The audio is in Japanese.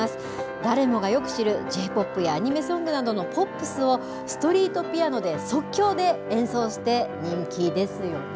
誰もがよく知るＪ−ＰＯＰやアニメソングなどのポップスを、ストリートピアノで即興で演奏して人気ですよね。